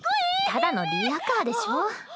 ただのリヤカーでしょ。